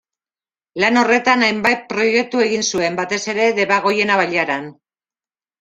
Lan horretan hainbat proiektu egin zuen, batez ere, Debagoiena bailaran.